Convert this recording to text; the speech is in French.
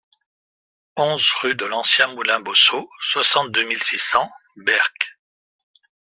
onze rue de l'Ancien Moulin Beaussaut, soixante-deux mille six cents Berck